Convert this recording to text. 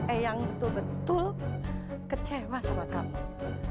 eyang itu betul betul kecewa sama kamu